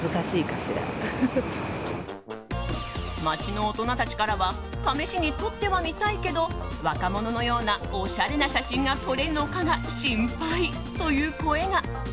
街の大人たちからは試しに撮ってはみたいけど若者のようなおしゃれな写真が撮れるのかが心配という声が。